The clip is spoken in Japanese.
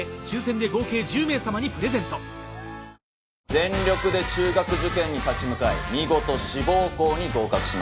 全力で中学受験に立ち向かい見事志望校に合格しました。